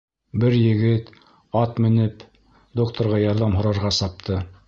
Ә бер егет, ат менеп, докторға ярҙам һорарға сапты.